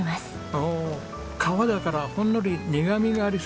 おお皮だからほんのり苦みがありそうですね。